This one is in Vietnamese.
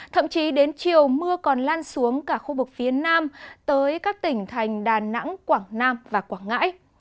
thậm chí đến chiều mưa còn lan xuống cả khu vực phía nam tới các tỉnh thành đà nẵng quảng nam và quảng ngãi